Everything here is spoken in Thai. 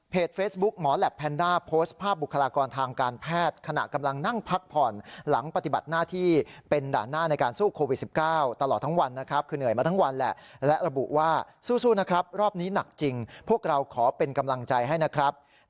เฟซบุ๊กหมอแหลปแพนด้าโพสต์ภาพบุคลากรทางการแพทย์ขณะกำลังนั่งพักผ่อนหลังปฏิบัติหน้าที่เป็นด่านหน้าในการสู้โควิด๑๙ตลอดทั้งวันนะครับคือเหนื่อยมาทั้งวันแหละและระบุว่าสู้นะครับรอบนี้หนักจริงพวกเราขอเป็นกำลังใจให้นะครับ